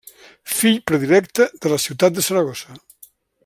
Fill Predilecte de la ciutat de Saragossa.